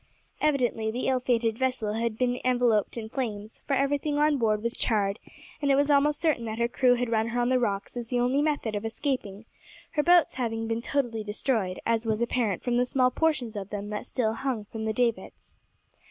Evidently the ill fated vessel had been enveloped in flames, for everything on board was charred, and it was almost certain that her crew had run her on the rocks as the only method of escaping, her boats having been totally destroyed, as was apparent from the small portions of them that still hung from the davits.